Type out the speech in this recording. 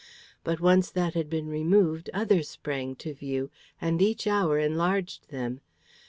But once that had been removed, others sprang to view, and each hour enlarged them.